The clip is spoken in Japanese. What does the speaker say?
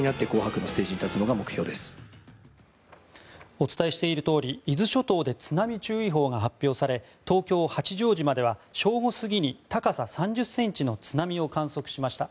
お伝えしているとおり伊豆諸島で津波注意報が発表され東京・八丈島では正午過ぎに高さ３０ｃｍの津波を観測しました。